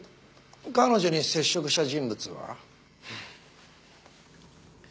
彼女に接触した人物は？